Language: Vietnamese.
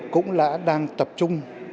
cũng đã đang tập trung